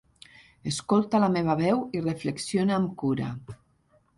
Escolta la meva veu i reflexiona amb cura.